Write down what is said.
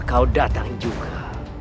kau datang juga